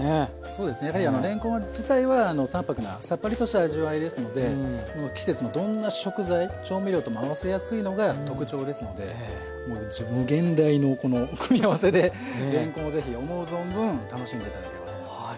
そうですねやはりあのれんこん自体は淡泊なさっぱりとした味わいですので季節のどんな食材調味料とも合わせやすいのが特徴ですのでもう無限大のこの組み合わせでれんこんを是非思う存分楽しんで頂けたらと思います。